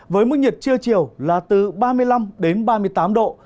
với mức nhiệt trưa chiều là từ ba mươi năm đến ba mươi tám độ